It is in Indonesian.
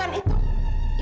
alena melakukan itu